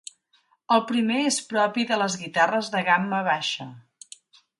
El primer és propi de les guitarres de gamma baixa.